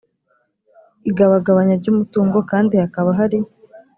igabagabanya ry umutungo kandi hakaba hari